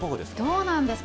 どうなんですか。